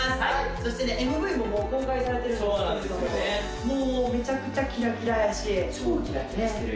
そしてねＭＶももう公開されてるんですけれどももうめちゃくちゃキラキラやし超キラキラしてるよ